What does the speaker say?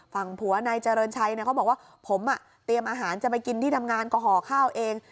ฝั่งผัวนายเจริญชัยเขาบอกว่าผมเตรียมอาหารจะไปกินที่ทำงานก็ห่อข้าวเอง